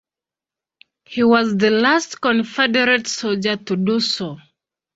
He was the last Confederate soldier to do so.